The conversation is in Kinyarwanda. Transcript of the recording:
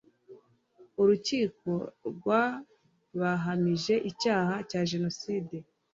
urukiko rwabahamije icyaha cya jenoside